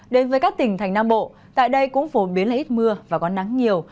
đến với các tỉnh thành nam bộ tại đây cũng phổ biến là ít mưa và có nắng nhiều